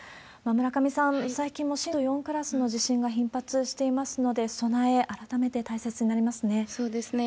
村上さん、最近も震度４クラスの地震が頻発していますので、備え、そうですね。